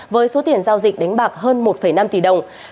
với số tiền giao dịch đánh bạc hơn một năm tỷ đồng